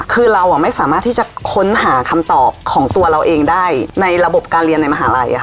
คือเราไม่สามารถที่จะค้นหาคำตอบของตัวเราเองได้ในระบบการเรียนในมหาลัย